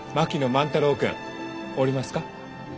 万太郎君おりますか？